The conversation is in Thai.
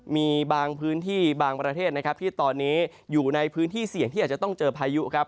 มีบางพื้นที่บางประเทศนะครับที่ตอนนี้อยู่ในพื้นที่เสี่ยงที่อาจจะต้องเจอพายุครับ